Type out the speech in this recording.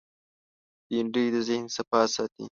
بېنډۍ د ذهن صفا ساتي